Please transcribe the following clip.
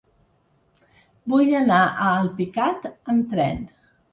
Vull anar a Alpicat amb tren.